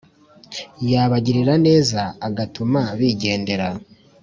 yabagirira neza agatuma bigendera